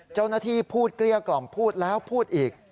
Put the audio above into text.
เจ้าหน้าที่พูดเกลี้ยกล่อมพูดแล้วพูดอีก